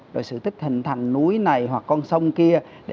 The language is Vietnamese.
rồi sự tích hình thành núi này hoặc con sông kia